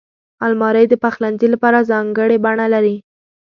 الماري د پخلنځي لپاره ځانګړې بڼه لري